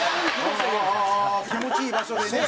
気持ちいい場所でね